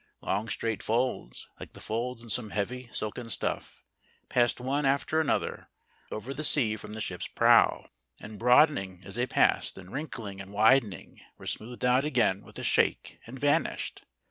Long, straight folds, like the folds in some heavy silken stuff, passed one after another over the sea from the ship's prow, and broadening as they passed, and wrinkling and widening, were smoothed out again with a shake, and vanished.